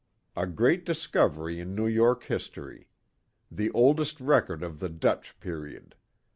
A Great Discovery in New York History. The Oldest Record of the Dutch Period.